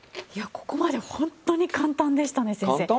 いやここまでホントに簡単でしたね先生。